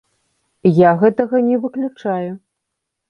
Я гэтага не выключаю.